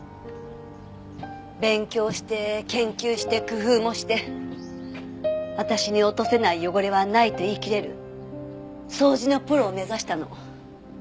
勉強して研究して工夫もして私に落とせない汚れはないと言いきれる掃除のプロを目指したの。